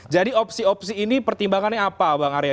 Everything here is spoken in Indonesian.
jadi opsi opsi ini pertimbangannya apa bang arya